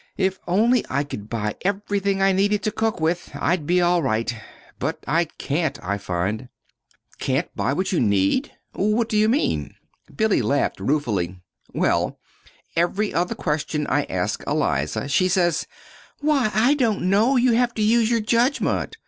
If only I could buy everything I needed to cook with, I'd be all right. But I can't, I find." "Can't buy what you need! What do you mean?" Billy laughed ruefully. "Well, every other question I ask Eliza, she says: 'Why, I don't know; you have to use your judgment.'